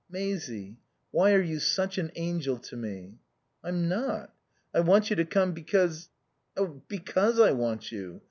"Maisie why are you such an angel to me?" "I'm not. I want you to come because oh because I want you.